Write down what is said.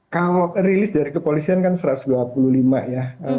kalau rilis dari kepolisian kan satu ratus dua puluh lima ya